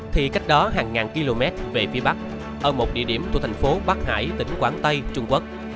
thì cách đó hàng ngàn km về phía bắc ở một địa điểm thuộc thành phố bắc hải tỉnh quảng tây trung quốc